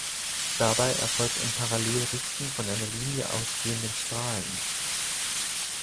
Dabei erfolgt ein Parallel-Richten von einer Linie ausgehenden Strahlen.